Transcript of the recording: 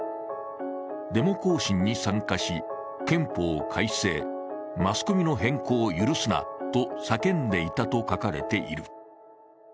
デモ行進に参加し、憲法改正、マスコミの偏向を許すなと叫んでいたと書かれている。